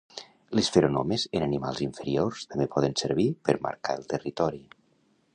Les feromones en animals inferiors també poden servir per marcar el territori